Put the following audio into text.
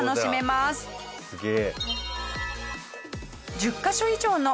すげえ！